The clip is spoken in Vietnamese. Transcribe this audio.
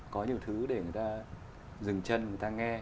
có nhiều thứ để người ta dừng chân người ta nghe